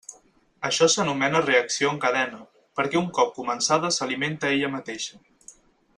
Això s'anomena reacció en cadena, perquè un cop començada s'alimenta ella mateixa.